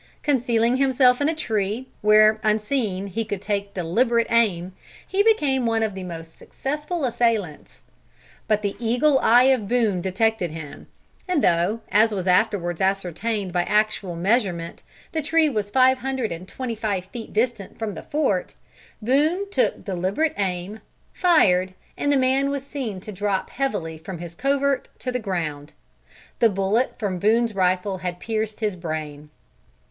Concealing himself in a tree, where unseen he could take deliberate aim, he became one of the most successful of the assailants. But the eagle eye of Boone detected him, and though, as was afterwards ascertained by actual measurement, the tree was five hundred and twenty five feet distant from the fort, Boone took deliberate aim, fired, and the man was seen to drop heavily from his covert to the ground. The bullet from Boone's rifle had pierced his brain.